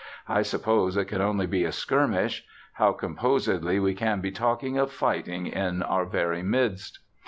I suppose it can only be a skirmish. How composedly we can be talking of fighting in our very midst!